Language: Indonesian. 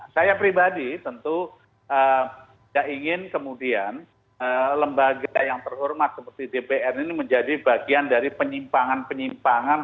saya pribadi tentu tidak ingin kemudian lembaga yang terhormat seperti dpr ini menjadi bagian dari penyimpangan penyimpangan